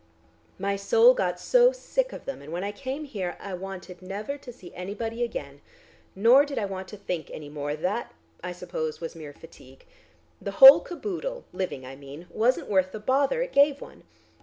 My soul got so sick of them, and when I came here I wanted never to see anybody again. Nor did I want to think any more; that I suppose was mere fatigue. The whole caboodle living, I mean wasn't worth the bother it gave one.